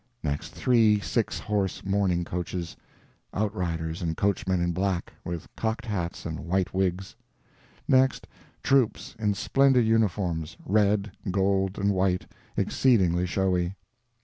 Next, three six horse mourning coaches; outriders and coachmen in black, with cocked hats and white wigs. Next, troops in splendid uniforms, red, gold, and white, exceedingly showy.